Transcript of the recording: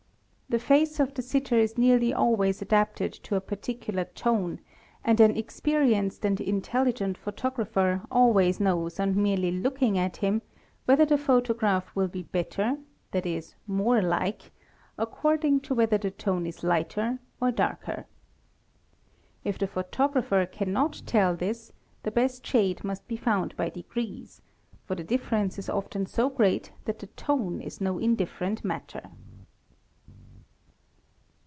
The face of the sitter is nearly always adapted to a particular tone md an experienced and intelligent photographer always knows on merely looking at him whether the photograph will be better (i.e., more like) | according to whether the tone is lighter or darker. If the photographer _ cannot tell this, the best shade must be found by degrees, for the difference 5 is often so great that the tone is no indifferent matter.